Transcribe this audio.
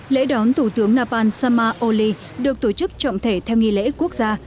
lễ đón thủ tướng nepal samaoli được tổ chức trọng thể theo nghi lễ quốc gia